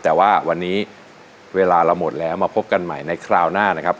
แต่ว่าวันนี้เวลาเราหมดแล้วมาพบกันใหม่ในคราวหน้านะครับ